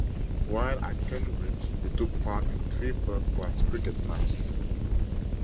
While at Cambridge he took part in three first-class cricket matches.